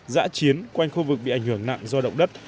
giã chiến quanh khu vực bị ảnh hưởng nặng do động đất